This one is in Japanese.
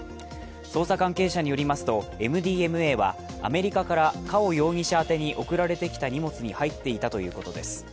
捜査関係者によりますと、ＭＤＭＡはアメリカからカオ容疑者宛てに送られてきた荷物に入っていたということです。